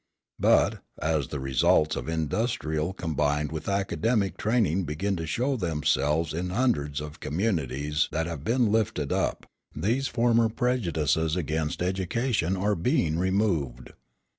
But, as the results of industrial combined with academic training begin to show themselves in hundreds of communities that have been lifted up, these former prejudices against education are being removed.